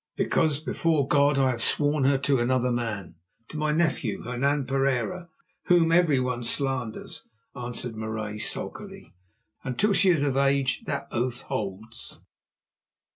"Because before God I have sworn her to another man—to my nephew, Hernan Pereira, whom everyone slanders," answered Marais sulkily. "Until she is of age that oath holds."